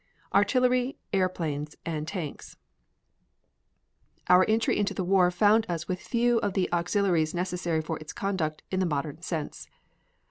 ARTILLERY, AIRPLANES, AND TANKS Our entry into the war found us with few of the auxiliaries necessary for its conduct in the modern sense.